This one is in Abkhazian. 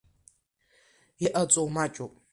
Иҟаҵоу маҷуп.